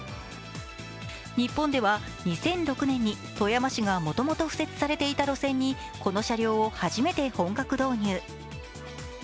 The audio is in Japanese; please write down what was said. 日本では２００６年に富山市がもともと敷設されていた路線にこの車両を初めて本格導入。